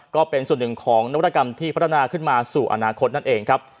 ก็เป็นส่วนหนึ่งของนวัตกรรมที่พัฒนาขึ้นมาสู่อนาคตนั่นเองครับ